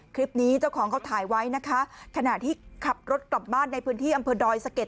เจ้าของเขาถ่ายไว้นะคะขณะที่ขับรถกลับบ้านในพื้นที่อำเภอดอยสะเก็ด